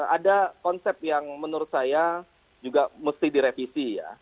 ada konsep yang menurut saya juga mesti direvisi ya